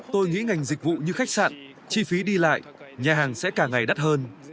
tôi nghĩ ngành dịch vụ như khách sạn chi phí đi lại nhà hàng sẽ càng ngày đắt hơn